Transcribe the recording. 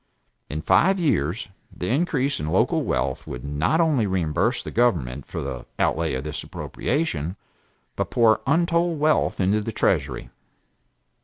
In five years the increase in local wealth would not only reimburse the government for the outlay in this appropriation, but pour untold wealth into the treasury.